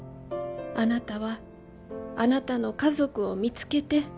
「あなたはあなたの家族を見つけて」